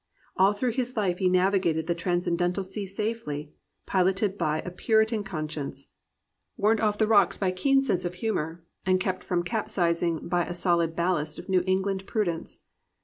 All through his life he navigated the transcendental sea safely, piloted by a puritan conscience, warned off the rocks by a keen sense of 339 COMPANIONABLE BOOKS humour, and kept from capsizing by a solid ballast of New England prudence.